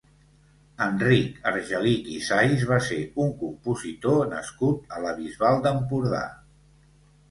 Enric Argelich i Sais va ser un compositor nascut a la Bisbal d'Empordà.